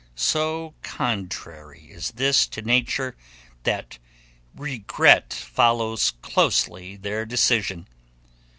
So contrary is this to nature that regret follows closely their decision.